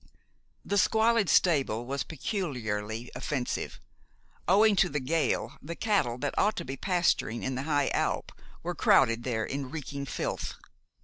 The squalid stable was peculiarly offensive. Owing to the gale, the cattle that ought to be pasturing in the high alp were crowded there in reeking filth.